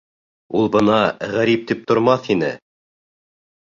Ул бына ғәрип тип тормаҫ ине.